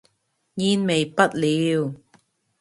煙味不了